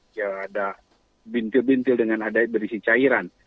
dia ada bintil bintil dengan ada berisi cairan